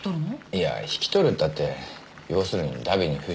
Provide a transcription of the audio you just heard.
いや引き取るったって要するに荼毘に付して。